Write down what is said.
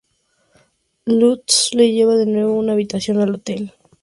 Lutz le lleva de nuevo a una habitación de hotel.